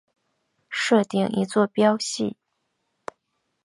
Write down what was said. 设定一坐标系。